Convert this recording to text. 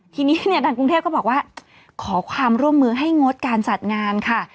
ทีนี้เนี่ยทางกรุงเทพก็บอกว่าขอความร่วมมือให้งดการจัดงานค่ะ